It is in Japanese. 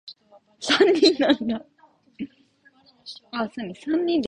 日ごとに車の中の紙の量が増えている気もしたけど、おそらく気のせいだった